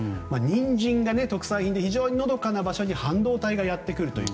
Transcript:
ニンジンが特産品で非常にのどかな町に半導体がやってくるという。